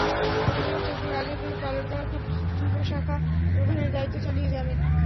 অনুরাগ ঠাকুর আগে থেকে পালন করা যুব শাখা প্রধানের দায়িত্ব চালিয়ে যাবেন।